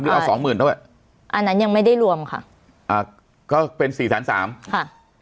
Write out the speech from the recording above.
เอาสองหมื่นด้วยอันนั้นยังไม่ได้รวมค่ะอ่าก็เป็นสี่แสนสามค่ะ